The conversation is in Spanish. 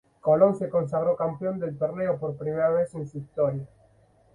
Colón se consagró campeón del torneo por primera vez en su historia.